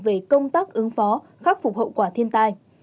về công tác ứng phó khắc phục hậu quả thiên tai